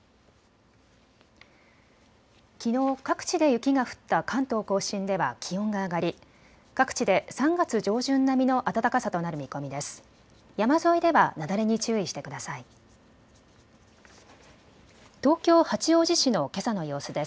きのう各地で雪が降った関東甲信では気温が上がり各地で３月上旬並みの暖かさとなる見込みです。